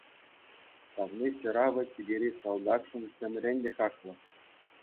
Савни ҫырӑвӗ чикӗри салтакшӑн темрен те хаклӑ.